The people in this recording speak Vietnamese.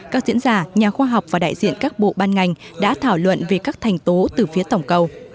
các diễn giả nhà khoa học và đại diện các bộ ban ngành đã thảo luận về các thành tố từ phía tổng cầu